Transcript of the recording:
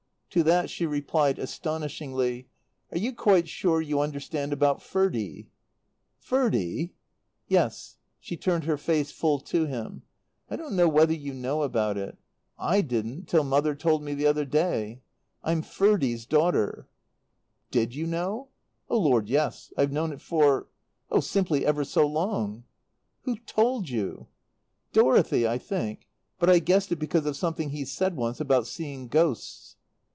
To that she replied astonishingly, "Are you quite sure you understand about Ferdie?" "Ferdie?" "Yes." She turned her face full to him. "I don't know whether you know about it. I didn't till Mother told me the other day. I'm Ferdie's daughter. "Did you know?" "Oh, Lord, yes. I've known it for oh, simply ever so long." "Who told you?" "Dorothy, I think. But I guessed it because of something he said once about seeing ghosts."